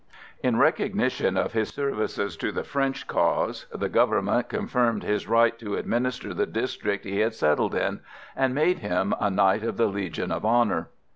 In recognition of his services to the French cause, the Government confirmed his right to administer the district he had settled in, and made him a knight of the Legion of Honour.